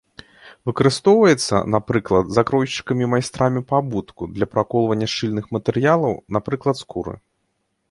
Выкарыстоўваецца, напрыклад, закройшчыкамі і майстрамі па абутку для праколвання шчыльных матэрыялаў, напрыклад, скуры.